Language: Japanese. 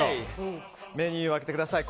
メニューを開けてください。